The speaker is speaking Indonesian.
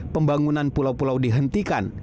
pembangunan pulau pulau dihentikan